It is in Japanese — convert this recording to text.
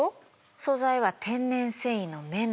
素材は天然繊維の綿なの。